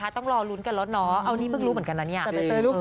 ให้จบละครเรื่องนี้ก่อนอะไรอย่างนี้